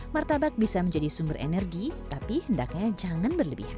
martabak bisa menjadi sumber energi tapi hendaknya jangan berlebihan